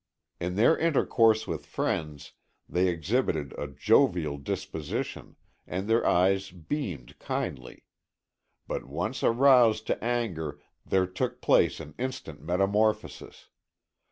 In their intercourse with friends they exhibited a jovial disposition and their eyes beamed kindly. But once aroused to anger there took place an instant metamorphosis.